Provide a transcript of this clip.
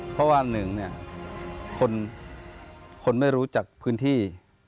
เพราะว่าหนึ่งเนี่ยคนไม่รู้จักพื้นที่